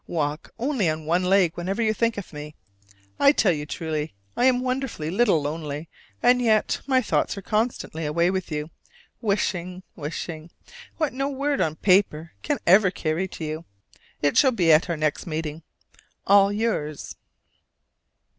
Walk only on one leg whenever you think of me! I tell you truly I am wonderfully little lonely: and yet my thoughts are constantly away with you, wishing, wishing, what no word on paper can ever carry to you. It shall be at our next meeting! All yours.